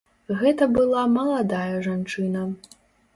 Гэта была маладая жанчына.